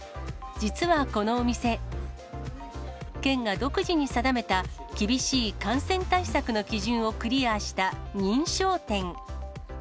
実はこのお店、県が独自に定めた厳しい感染対策の基準をクリアした認証店。